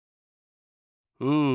うん。